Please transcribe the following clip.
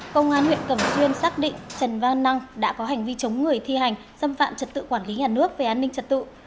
công an huyện cẩm xuyên xác định trần văn năng đã có hành vi chống người thi hành xâm phạm trật tự quản lý nhà nước về an ninh trật tự